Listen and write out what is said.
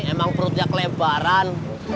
emang perutnya kelebaran